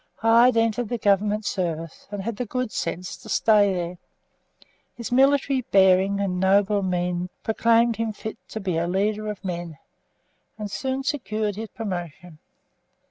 Hyde entered the Government service, and had the good sense to stay there. His military bearing and noble mien proclaimed him fit to be a leader of men, and soon secured his promotion.